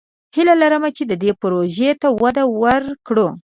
هیله لرم چې دې پروژې ته وده ورکړو.